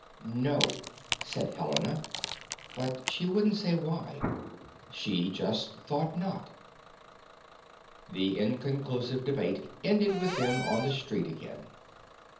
"No," said Helena, but she wouldn't say why. She just thought not. The inconclusive debate ended with them on the street again.